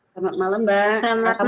selamat malam mbak selamat malam